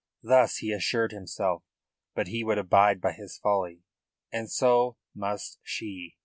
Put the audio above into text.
Thus he assured himself. But he would abide by his folly, and so must she.